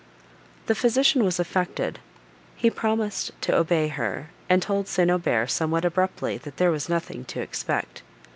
The physician was affected; he promised to obey her, and told St. Aubert, somewhat abruptly, that there was nothing to expect.